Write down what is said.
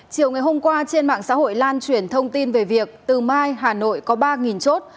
chiều ngày hôm qua trên mạng xã hội lan truyền thông tin về việc từ mai hà nội có ba chốt